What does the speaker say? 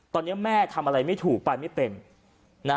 ตอนนี้แม่ทำอะไรไม่ถูกไปไม่เป็นนะ